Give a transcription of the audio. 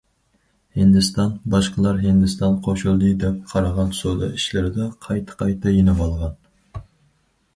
ھىندىستان باشقىلار ھىندىستان قوشۇلدى دەپ قارىغان سودا ئىشلىرىدا قايتا- قايتا يېنىۋالغان.